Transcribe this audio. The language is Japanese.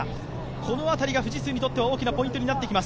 このあたりが富士通にとって大きなポイントになってきます。